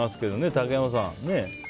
竹山さん。